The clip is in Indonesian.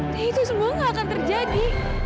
dan itu semua nggak akan terjadi